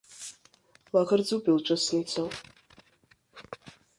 Лаӷырӡуп илҿысны ицо.